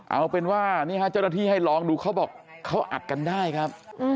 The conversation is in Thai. เอาเป็นว่านี่ฮะเจ้าหน้าที่ให้ลองดูเขาบอกเขาอัดกันได้ครับ